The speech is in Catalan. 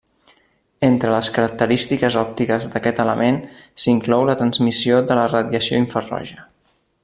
Entre les característiques òptiques d'aquest element, s'inclou la transmissió de radiació infraroja.